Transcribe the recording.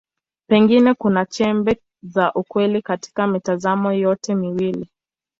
Pengine kuna chembe za ukweli katika mitazamo yote miwili.